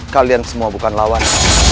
kalian semua bukan lawan